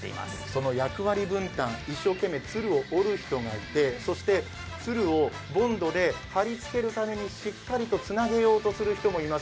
その役割分担、一生懸命、鶴を折る人がいて、そして鶴を貼りつけるためにしっかりとつなげようとする人もいま。